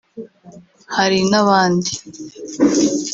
hari n’abandi